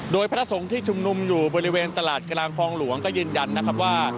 โดยพระสงฆ์ที่ชุมนุมอยู่บริเวณตลาดกลางคลองหลวงก็ยืนยันนะครับว่า